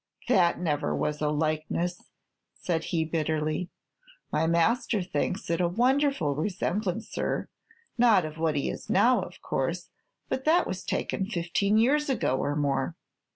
"That never was a likeness!" said he, bitterly. "My master thinks it a wonderful resemblance, sir, not of what he is now, of course; but that was taken fifteen years ago or more."